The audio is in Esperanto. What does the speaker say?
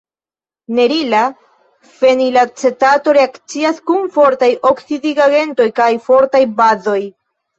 Nerila fenilacetato reakcias kun fortaj oksidigagentoj kaj fortaj bazoj.